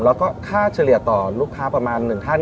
แล้วก็ค่าเฉลี่ยต่อลูกค้าประมาณ๑ท่าน